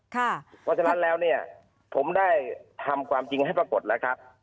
เพราะฉะนั้นแล้วเนี่ยผมได้ทำความจริงให้ปรากฏแล้วครับ